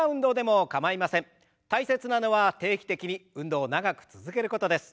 大切なのは定期的に運動を長く続けることです。